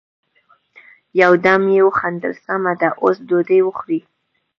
يو دم يې وخندل: سمه ده، اوس ډوډی وخورئ!